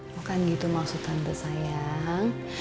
bukan gitu maksud tante sayang